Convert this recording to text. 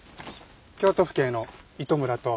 京都府警の糸村と。